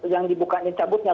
yang dibukanya cabutnya